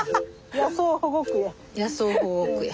野草保護区や。